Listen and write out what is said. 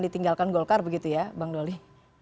ditinggalkan golkar begitu ya bang doli